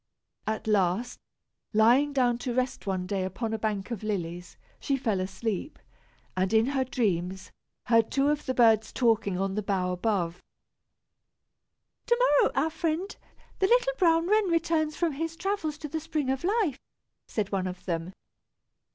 At last, lying down to rest one day upon a bank of lilies, she fell asleep, and in her dreams, heard two of the birds talking on the bough above. "To morrow, our friend, the little brown wren returns from his travels to the Spring of Life," said one of them.